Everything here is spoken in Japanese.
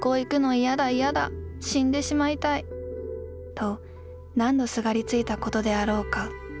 『死んでしまいたい』と何度すがりついたことであろうか。